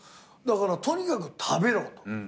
だからとにかく食べろと。